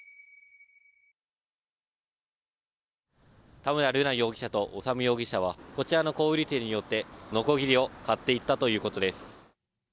田村瑠奈容疑者と修容疑者は、こちらの小売り店に寄ってのこぎりを買っていったということです。